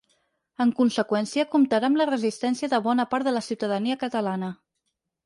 En conseqüència, comptarà amb la resistència de bona part de la ciutadania catalana.